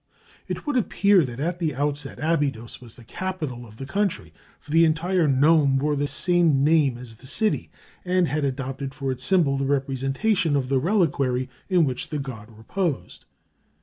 It would appear that, at the outset, Abydos was the capital of the country, for the entire nome bore the same name as the city, and had adopted for its symbol the representation of the reliquary in which the god reposed.